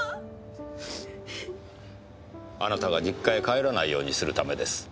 あなたが実家へ帰らないようにするためです。